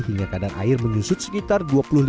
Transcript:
hingga keadaan air menyusut sekitar dua puluh lima